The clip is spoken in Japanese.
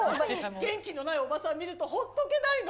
元気のないおばさん見ると、ほっとけないの。